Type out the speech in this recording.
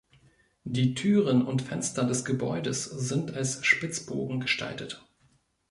Die Türen und Fenster des Gebäudes sind als Spitzbogen gestaltet.